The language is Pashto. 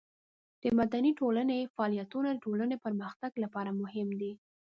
د مدني ټولنې فعالیتونه د ټولنې د پرمختګ لپاره مهم دي.